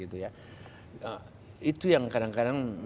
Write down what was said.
itu yang kadang kadang